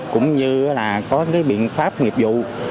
cũng như có biện pháp nghiệp vụ